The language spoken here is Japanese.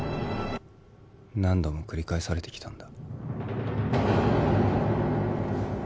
何度も繰り返されてきたんだ